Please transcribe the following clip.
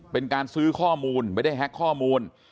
เป็นการซื้อข้อมูลไม่ได้แฮ็กข้อมูล